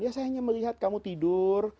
ya saya hanya melihat kamu tidur